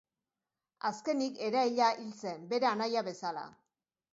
Azkenik, eraila hil zen, bere anaia bezala.